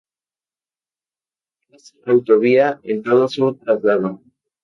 Es autovía en todo su trazado.